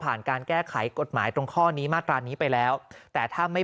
การแก้ไขกฎหมายตรงข้อนี้มาตรานี้ไปแล้วแต่ถ้าไม่